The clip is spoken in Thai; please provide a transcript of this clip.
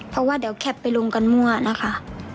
เพราะว่าเดี๋ยวแคปไปลงกันมั่วนะคะ